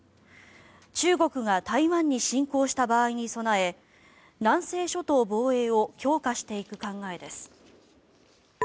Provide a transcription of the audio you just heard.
中国が台湾に侵攻した場合に備え南西諸島防衛を強化していく考えです。